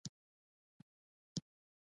زه دې په سترګو ښکلوم.